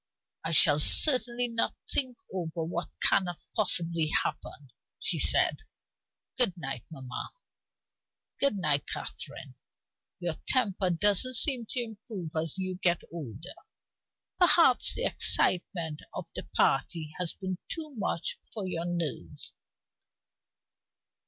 "I shall certainly not think over what cannot possibly happen," she said. "Good night, mamma." "Good night, Catherine. Your temper doesn't seem to improve as you get older. Perhaps the excitement of the party has been too much for your nerves.